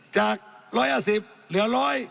จาก๑๕๐เหลือ๑๐๐